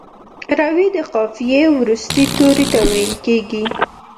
روي د قافیې وروستي توري ته ویل کیږي.